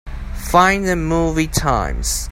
Find the movie times.